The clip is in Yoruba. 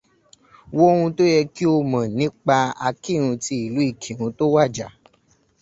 Wo ohun tó yẹ kí o mọ̀ nípa Akírun ti Ìlú Ìkìrun tó wàjà.